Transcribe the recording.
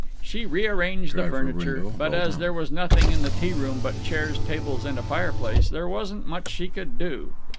She rearranged the furniture, but as there was nothing in the tea room but chairs, tables, and a fireplace, there wasn't much she could do.